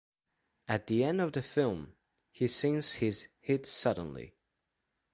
At the end of the film, he sings his hit Suddenly.